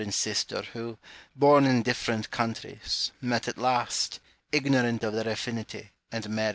and sister, who, born in different countries, met at last, ignorant of their affinity, and married.